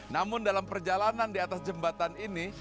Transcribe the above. namun dalam perjalanan di atas jembatan ini